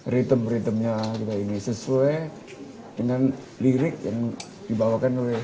ritem ritemnya kita ini sesuai dengan lirik yang dibawakan oleh